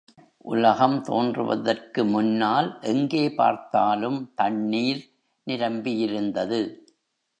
உலகம் தோன்றுவதற்கு முன்னால் எங்கே பார்த்தாலும் தண்ணீர் நிரம்பியிருந்தது.